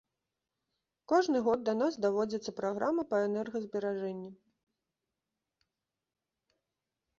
Кожны год да нас даводзіцца праграма па энергазберажэнні.